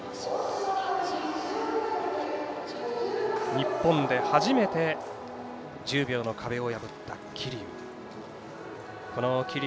日本で初めて１０秒の壁を破った桐生。